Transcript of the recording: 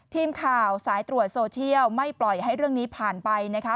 ทีมข่าวสายตรวจโซเชียลไม่ปล่อยให้เรื่องนี้ผ่านไปนะคะ